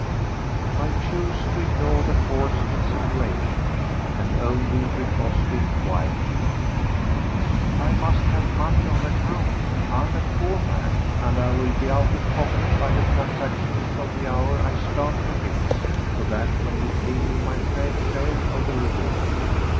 I chose to ignore the coarse insinuation, and only riposted quietly: "I must have money on account. I am a poor man, and will be out of pocket by the transaction from the hour I start for Gex to that when you pay me my fair share of the reward."